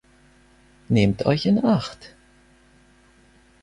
Nehmt euch in Acht!